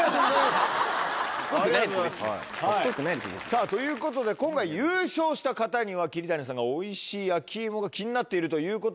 さぁということで今回優勝した方には桐谷さんがおいしい焼き芋が気になっているということで。